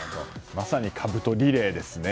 まさに、かぶとリレーですね。